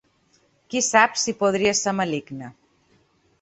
Qui sap si podria ser maligne.